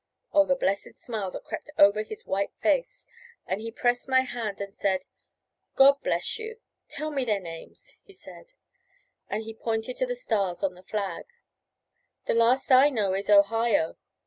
Oh, the blessed smile that crept over his white face! and he pressed my hand and said, "God bless you! Tell me their names," he said, and he pointed to the stars on the flag. "The last I know is Ohio.